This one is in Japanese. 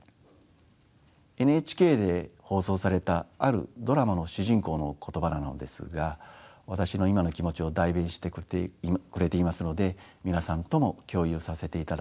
ＮＨＫで放送されたあるドラマの主人公の言葉なのですが私の今の気持ちを代弁してくれていますので皆さんとも共有させていただこうそう思います。